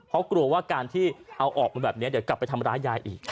เพราะกลัวว่าการที่เอาออกมาแบบนี้เดี๋ยวกลับไปทำร้ายยายอีก